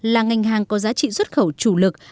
là ngành hàng có giá trị xuất khẩu chủ lực